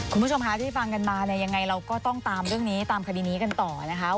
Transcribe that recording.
คุณผู้ชมคะที่ฟังกันมาเนี่ยยังไงเราก็ต้องตามเรื่องนี้ตามคดีนี้กันต่อนะคะ